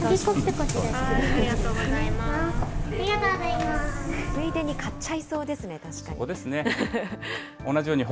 ついでに買っちゃいそうですね、確かに。